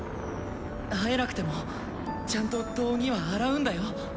会えなくてもちゃんと道着は洗うんだよ」。